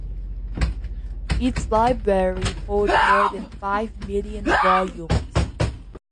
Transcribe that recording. Its library holds more than five million volumes.